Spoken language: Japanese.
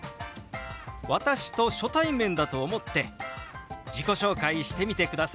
私と初対面だと思って自己紹介してみてください。